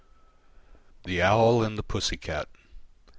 THE OWL AND THE PUSSY CAT.